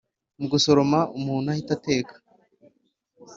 mu gusoroma umuntu ahita ateka.